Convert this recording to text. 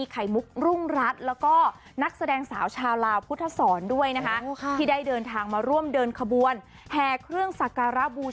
ไปร่วมงานบุญใหญ่กันซักหน่อย